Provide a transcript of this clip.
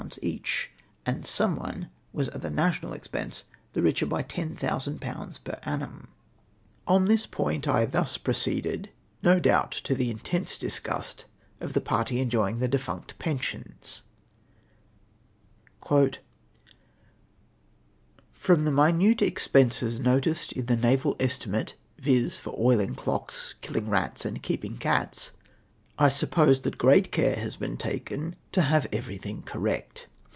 each, and some one was at the national ex pense tlie richer by 10,000/. per annum ! On this point, I thus proceeded, no doul^t to the intense disgust of the party enjoying the defunct pensions :— MR. WELLESLEY POLE S EXFLANATIOK 145 " From the minute expenses noticed in the naval estimate, viz. for oiling clocks, killing rats, and keeping cats, I suppose that great care has been taken to have everything correct.